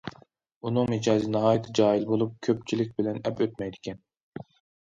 ئۇنىڭ مىجەزى ناھايىتى جاھىل بولۇپ، كۆپچىلىك بىلەن« ئەپ ئۆتمەيدىكەن».